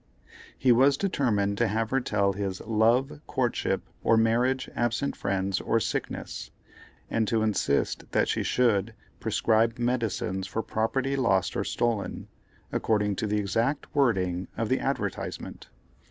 He was determined to have her tell his "love, courtship, or marriage, absent friends, or sickness," and to insist that she should "prescribe medicines for property lost or stolen," according to the exact wording of the advertisement.